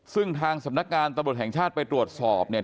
ซึ่งทางสำนักงานตำรวจแห่งชาติไปตรวจสอบเนี่ย